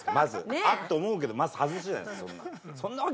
あ！って思うけどまず外すじゃないですかそんなの。